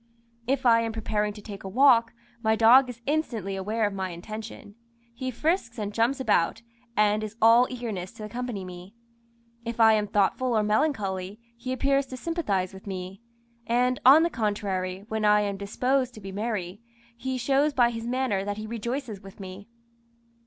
If I am preparing to take a walk, my dog is instantly aware of my intention. He frisks and jumps about, and is all eagerness to accompany me. If I am thoughtful or melancholy, he appears to sympathise with me; and, on the contrary, when I am disposed to be merry, he shows by his manner that he rejoices with me.